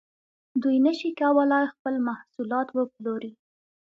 دوی نشي کولای خپل محصولات وپلوري